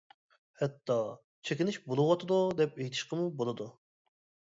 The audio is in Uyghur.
ھەتتا چېكىنىش بولۇۋاتىدۇ، دەپ ئېيتىشقىمۇ بولىدۇ.